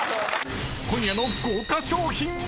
［今夜の豪華賞品は⁉］